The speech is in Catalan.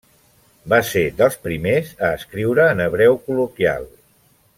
Va ser dels primers a escriure en hebreu col·loquial.